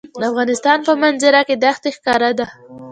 د افغانستان په منظره کې دښتې ښکاره ده.